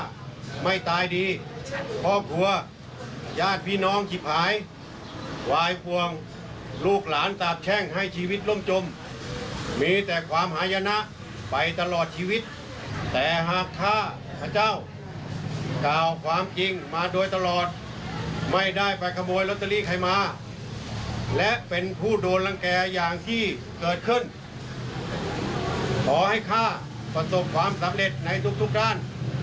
ไม่ตายดีครอบครัวญาติพี่น้องที่หายวายพวงลูกหลานสาบแช่งให้ชีวิตล่มจมมีแต่ความหายนะไปตลอดชีวิตแต่หากข้าเจ้ากล่าวความจริงมาโดยตลอดไม่ได้ไปขโมยลอตเตอรี่ใครมาและเป็นผู้โดนรังแก่อย่างที่เกิดขึ้นขอให้ข้าประสบความสำเร็จในทุกทุกด้าน